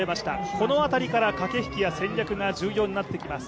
この辺りから駆け引きや戦略が重要になってきます。